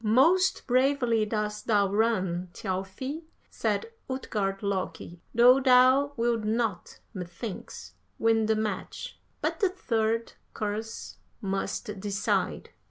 "'Most bravely dost thou run, Thjalfi,' said Utgard Loki, 'though thou wilt not, methinks, win the match. But the third, course must decide.'